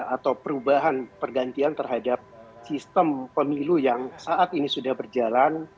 atau perubahan pergantian terhadap sistem pemilu yang saat ini sudah berjalan